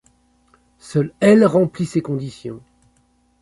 Seul Hel remplit ces conditions.